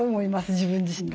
自分自身が。